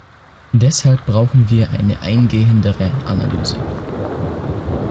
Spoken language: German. Deshalb brauchen wir eine eingehendere Analyse.